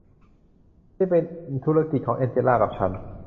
นี่เป็นธุรกิจของแองเจล่ากับฉัน